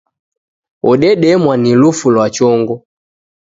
Wodedemwa na lufu lwa chongo.